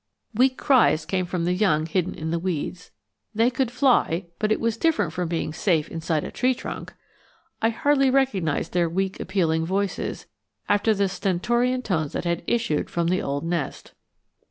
Weak cries came from the young hidden in the weeds. They could fly, but it was different from being safe inside a tree trunk! I hardly recognized their weak appealing voices, after the stentorian tones that had issued from the old nest.